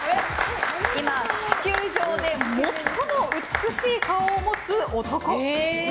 今、地球上で最も美しい顔を持つ男。